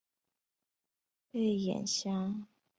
背眼虾虎鱼亚科的种类。